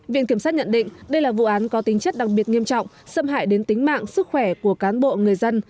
viện kiểm sát nhận định đây là vụ án có tính chất đặc biệt nghiêm trọng xâm hại đến tính mạng sức khỏe của cán bộ người dân